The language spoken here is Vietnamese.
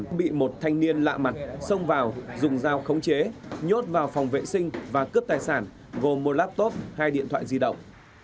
đã bị một thanh niên lạ mặt xông vào dùng dao khống chế nhốt vào phòng vệ sinh và cướp tài sản gồm một laptop hai điện thoại di động